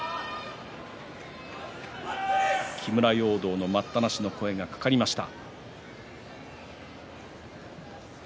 木村容堂の待ったなしの声がかかりました。